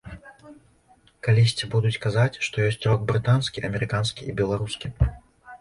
Калісьці будуць казаць, што ёсць рок брытанскі, амерыканскі і беларускі.